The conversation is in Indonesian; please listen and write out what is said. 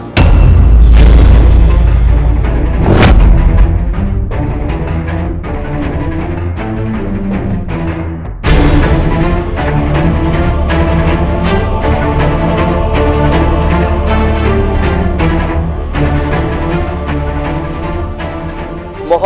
peradaan walang kursa